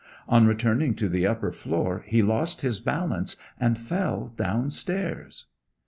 On returning to the upper floor he lost his balance and fell downstairs.'